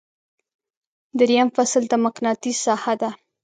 دریم فصل د مقناطیس ساحه ده.